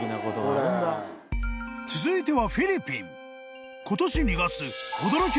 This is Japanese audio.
［続いては］